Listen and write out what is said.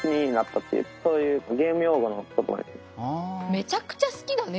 めちゃくちゃ好きだね